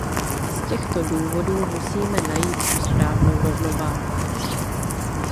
Z těchto důvodů musíme najít tu správnou rovnováhu.